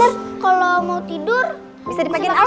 terus kalau mau tidur bisa pakai selimut